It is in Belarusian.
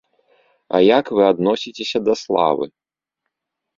А як вы адносіцеся да славы?